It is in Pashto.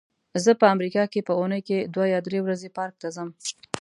زه په امریکا کې په اوونۍ کې دوه یا درې ورځې پارک ته ځم.